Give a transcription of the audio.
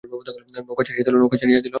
নৌকা ছাড়িয়া দিল।